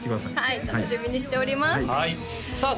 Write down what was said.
はい楽しみにしておりますさあ